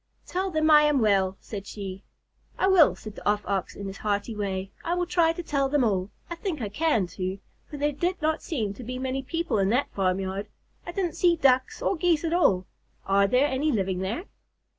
"Tell them I am well," said she. "I will," said the Off Ox, in his hearty way. "I will try to tell them all. I think I can, too, for there did not seem to be many people in that farmyard. I didn't see Ducks or Geese at all. Are there any living there?"